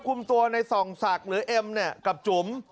คุมตัวในส่องศักดิ์หรือเอ็มเนี่ยกับจุ๋ม